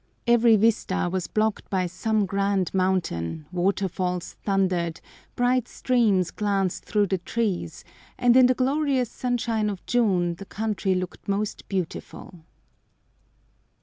Every vista was blocked by some grand mountain, waterfalls thundered, bright streams glanced through the trees, and in the glorious sunshine of June the country looked most beautiful.